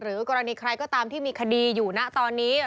กรณีใครก็ตามที่มีคดีอยู่นะตอนนี้